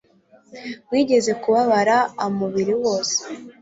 mwigeze kubabara amubiri wose